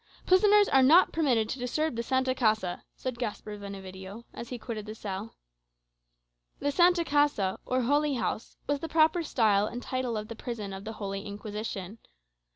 Prisoners are not permitted to disturb the Santa Casa," said Gasper Benevidio, as he quitted the cell. The "Santa Casa," or Holy House, was the proper style and title of the prison of the Holy Inquisition.